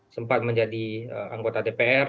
sempat menjadi anggota dpr